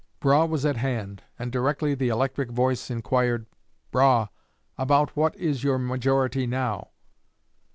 Brough was at hand, and directly the electric voice inquired, "Brough, about what is your majority now?"